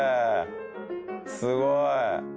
すごい。